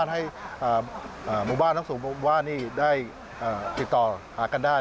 ให้หมู่บ้านทั้งสูงผมว่านี่ได้ติดต่อหากันได้